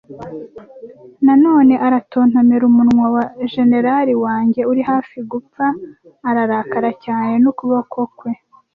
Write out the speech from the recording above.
Na none aratontomera umunwa wa jenerali wanjye uri hafi gupfa, ararakara cyane n'ukuboko kwe,